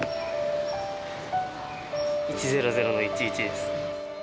１００１１です。